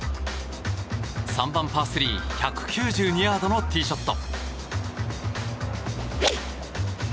３番、パー３１９２ヤードのティーショット。